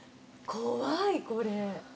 怖い、これ。